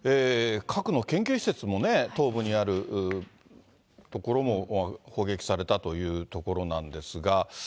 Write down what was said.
核の研究施設もね、東部にある所も、砲撃されたというところなんですが。